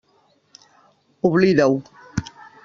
Oblida-ho.